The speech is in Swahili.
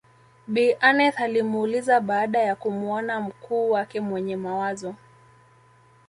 Bi Aneth alimuuliza baada ya kumuona mkuu wake mwenye mawazo